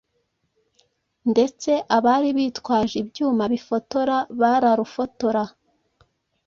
ndetse abari bitwaje ibyuma bifotora bararufotora.